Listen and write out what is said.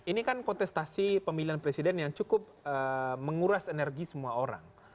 ini kan kontestasi pemilihan presiden yang cukup menguras energi semua orang